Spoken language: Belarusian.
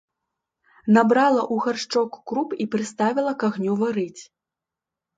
Набрала ў гаршчок круп і прыставіла к агню варыць.